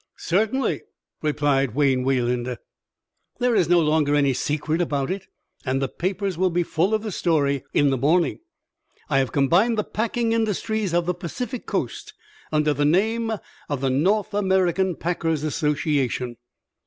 "Certainly," replied Wayne Wayland. "There is no longer any secret about it, and the papers will be full of the story in the morning. I have combined the packing industries of the Pacific Coast under the name of the North American Packers' Association."